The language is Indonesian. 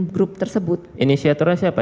grup tersebut inisiatornya siapa